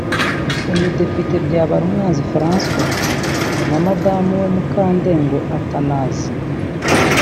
uyu Depite Byabarumwanzi François na madamu we Mukandengo Athanasie